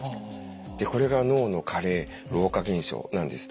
これが脳の加齢老化現象なんです。